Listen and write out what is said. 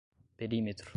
perímetro